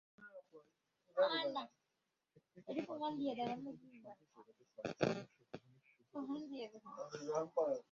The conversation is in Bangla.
খেত থেকে সরাসরি বিশেষজ্ঞদের সঙ্গে যোগাযোগ করে পরামর্শ গ্রহণের সুযোগও রয়েছে।